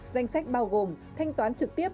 danh sách bao gồm thanh toán trực tiếp